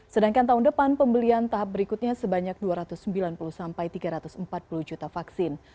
sedangkan tahun depan pembelian tahap berikutnya sebanyak dua ratus sembilan puluh tiga ratus empat puluh juta vaksin